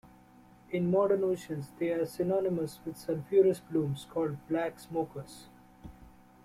In modern oceans they are synonymous with sulfurous plumes called black smokers.